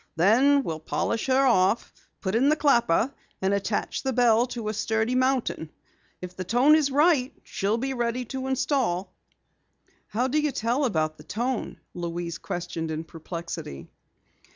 "Then we'll polish her off, put in the clapper, and attach the bell to a sturdy mounting. If the tone is right, she'll be ready to install." "How do you tell about the tone?" Louise questioned in perplexity.